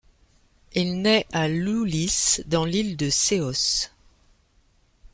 Il naît à Ioulis, dans l'île de Céos.